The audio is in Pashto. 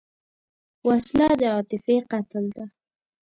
وسله د عاطفې قتل ده